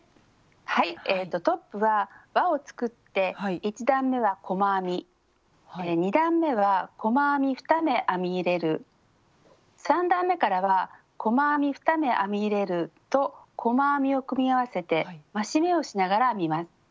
はいトップはわを作って１段めは細編み２段めは細編み２目編み入れる３段めからは細編み２目編み入れると細編みを組み合わせて増し目をしながら編みます。